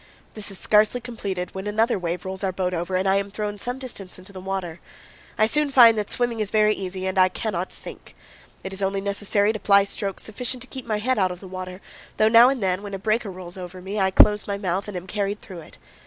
This is scarcely completed when another wave rolls our boat over and I am thrown some distance into the water. I soon find that swimming is very easy and I cannot sink. It is only necessary to ply strokes sufficient to keep my head out of the water, though now and then, when a breaker rolls over me, I close my mouth and am carried through it.